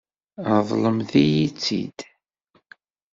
Ṛeḍlemt-iyi-tt-id.